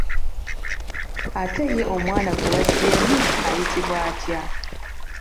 Ate ye omwana gwe baggyeemu ayitibwa atya?